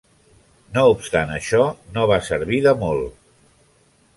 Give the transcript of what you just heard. No obstant això, no va servir de molt.